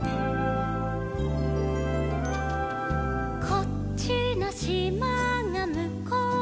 「こっちのしまがむこうのしまへ」